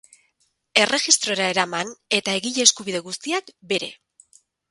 Erregistrora eraman eta egile eskubide guztiak bere.